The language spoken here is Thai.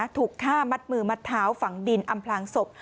ถูกฆ่ามัดมือมัดเท้าฝังดินอำพลางศพ